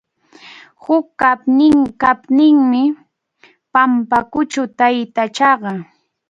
Huk kaqninmi Pampakʼuchu taytachaqa.